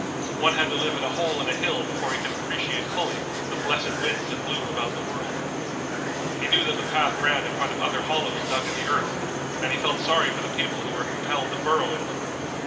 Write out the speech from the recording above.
One had to live in a hole in a hill before he could appreciate fully the blessed winds that blew about the world. He knew that the path ran in front of other hollows dug in the earth, and he felt sorry for the people who were compelled to burrow in them.